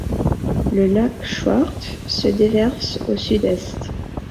Le lac Chouart se déverse au sud-est.